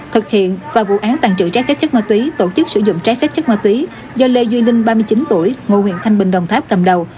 thực hiện và vụ án tàn trữ trái phép chất ma túy tổ chức sử dụng trái phép chất ma túy do lê duy ninh ba mươi chín tuổi ngụ huyện thanh bình đồng tháp cầm đầu